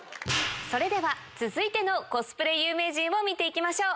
それでは続いてのコスプレ有名人見ていきましょう。